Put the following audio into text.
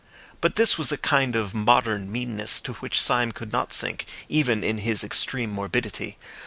But this was a kind of modern meanness to which Syme could not sink even in his extreme morbidity.